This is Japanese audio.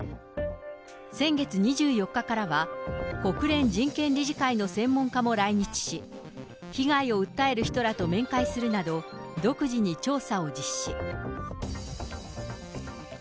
先月２４日からは国連人権理事会の専門家も来日し、被害を訴える人らと面会するなど、独自に調査を実施。